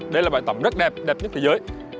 đây là bãi tắm rất đẹp đẹp nhất thế giới